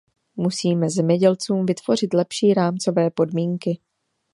Musíme zemědělcům vytvořit lepší rámcové podmínky.